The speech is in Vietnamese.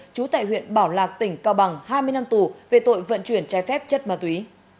trú tại huyện bảo lạc tỉnh cao bằng hai mươi năm tù về tội vận chuyển trái phép chất ma túy